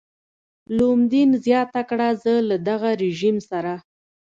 لومدین زیاته کړه زه له دغه رژیم سره.